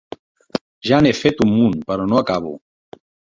Ja n'he fet un munt, però no acabo.